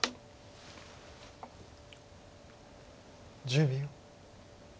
１０秒。